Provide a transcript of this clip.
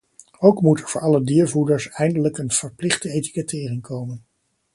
Ook moet er voor alle diervoeders eindelijk een verplichte etikettering komen.